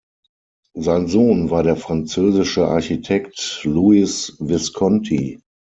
Sein Sohn war der französische Architekt Louis Visconti.